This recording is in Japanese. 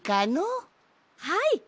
はい！